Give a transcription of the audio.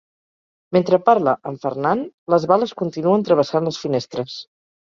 Mentre parla amb Fernand, les bales continuen travessant les finestres.